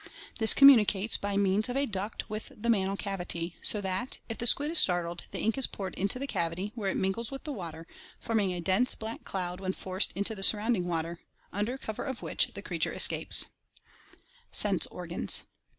This communi cates by means of a duct with the mantle cavity, so that, if the squid is startled, the ink is poured into the cavity, where it mingles with the water, forming a dense black cloud when forced into the surrounding water, under cover of which the creature escapes (see Fig. 116). Sense Organs.